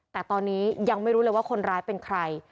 แต่ตอนนี้ยังไม่รู้เลยว่าคนร้ายเป็นใคร